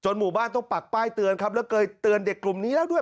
หมู่บ้านต้องปักป้ายเตือนครับแล้วเคยเตือนเด็กกลุ่มนี้แล้วด้วย